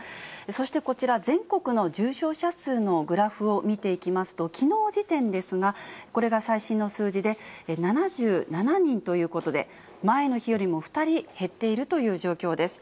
そしてこちら、全国の重症者数のグラフを見ていきますと、きのう時点ですが、これが最新の数字で、７７人ということで、前の日よりも２人減っているという状況です。